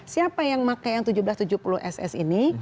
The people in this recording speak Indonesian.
siapa yang pakai yang seribu tujuh ratus tujuh puluh ss ini